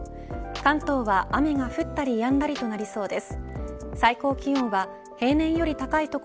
関東は、雨が降ったりやんだりとなりそうです。